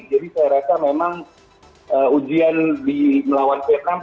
jadi saya rasa memang ujian melawan vietnam